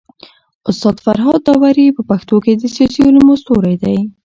استاد فرهاد داوري په پښتو کي د سياسي علومو ستوری دی.